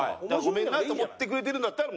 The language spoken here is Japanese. ごめんなって思ってくれてるんだったら。